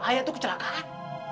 ayak tuh kecelakaan